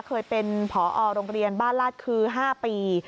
เคยเป็นผอโรงเรียนบ้านลาดคือ๕ปี